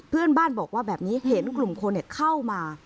เพื่อนบ้านบอกว่าแบบนี้เห็นกลุ่มคนเข้ามา